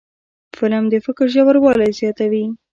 فلم د فکر ژوروالی زیاتوي